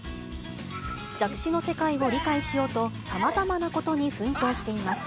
弱視の世界を理解しようと、さまざまなことに奮闘しています。